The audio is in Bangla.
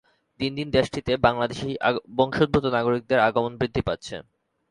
দিন দিন দেশটিতে বাংলাদেশি বংশোদ্ভূত নাগরিকদের আগমন বৃদ্ধি পাচ্ছে।